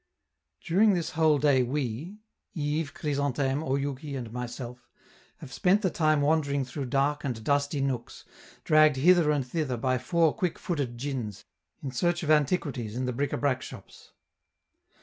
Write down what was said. During this whole day we Yves, Chrysantheme, Oyouki and myself have spent the time wandering through dark and dusty nooks, dragged hither and thither by four quick footed djins, in search of antiquities in the bric a brac shops.